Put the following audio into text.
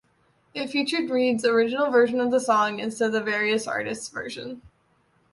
It featured Reed's original version of the song instead of the Various Artists version.